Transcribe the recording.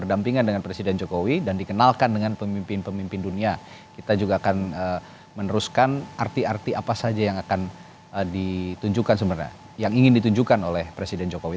apakah anda mencoba sama dengan presiden jokowi